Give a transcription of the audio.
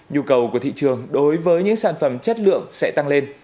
nhu cầu của thị trường đối với những sản phẩm chất lượng sẽ tăng lên